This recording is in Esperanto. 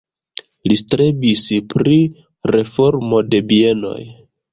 Li strebis pri reformo de bienoj.